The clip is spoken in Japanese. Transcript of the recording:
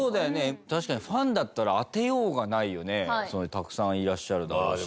たくさんいらっしゃるだろうし。